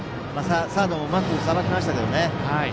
サードもうまくさばきましたけどね。